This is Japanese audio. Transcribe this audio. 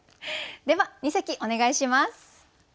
では二席お願いします。